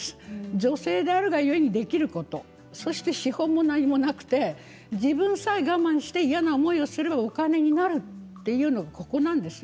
女性であればゆえにできることそして資本も何もなくて自分さえ我慢して嫌な思いをすればお金になるというのが、ここなんです。